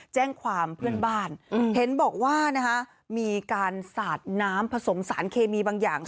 แจ้งความเพื่อนบ้านเห็นบอกว่ามีการสาดน้ำผสมสารเคมีบางอย่าง